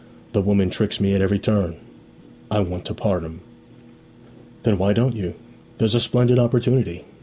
The woman tricks me at every turn! I want to part 'em.' 'Then why don't you? There's a splendid opportunity.